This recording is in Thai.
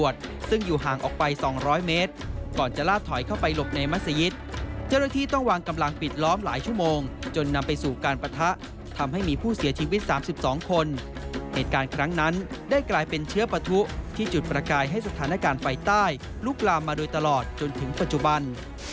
จุดประกายให้สถานการณ์ไฟใต้ลุกลามมาโดยตลอดจนถึงปัจจุบัน